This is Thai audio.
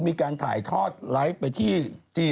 มีการถ่ายทอดไลฟ์ไปที่จีน